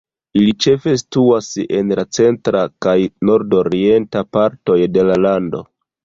Ili ĉefe situas en la centra kaj nordorienta partoj de la lando.